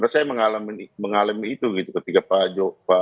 saya mengalami itu gitu ketika pak jokowi